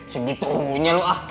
segitu punya lo ah